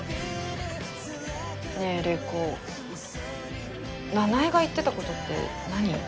ねえ玲子奈々江が言ってた事って何？